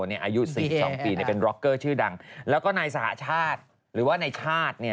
อายุ๔๒ปีเป็นร็อกเกอร์ชื่อดังแล้วก็นายสหชาติหรือว่านายชาติ